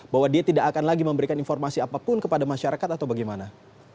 bahwa dia tidak akan lagi memberikan informasi apapun kepada masyarakat atau bagaimana